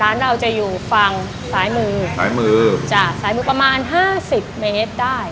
ร้านเราจะอยู่ฝั่งซ้ายมือสายมือจ้ะสายมือประมาณห้าสิบเมตรได้